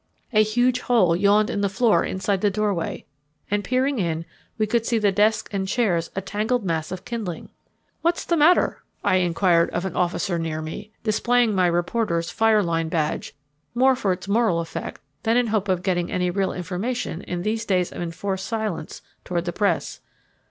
A huge hole yawned in the floor inside the doorway, and peering in we could see the desk and chairs a tangled mass of kindling. "What's the matter?" I inquired of an officer near me, displaying my reporter's fire line badge, more for its moral effect than in the hope of getting any real information in these days of enforced silence toward the press.